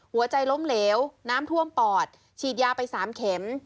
หัวใจล้มเหลวน้ำท่วมปอดฉีดยาไป๓เข็ม